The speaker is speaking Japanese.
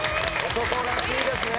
男らしいですね。